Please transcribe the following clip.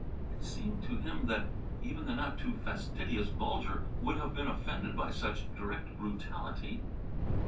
It seemed to him that even the not too fastidious Bulger would have been offended by such direct brutality.